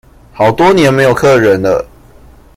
好多年沒有客人了